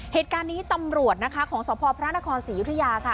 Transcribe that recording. เหตุการณ์นี้ตำรวจนะคะของสพพระนครศรียุธยาค่ะ